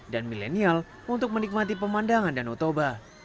dan milenial untuk menikmati pemandangan danau toba